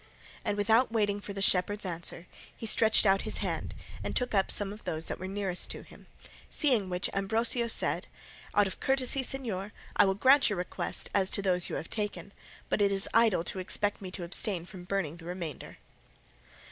And without waiting for the shepherd's answer, he stretched out his hand and took up some of those that were nearest to him; seeing which Ambrosio said, "Out of courtesy, señor, I will grant your request as to those you have taken, but it is idle to expect me to abstain from burning the remainder."